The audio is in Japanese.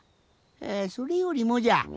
えそれよりもじゃ。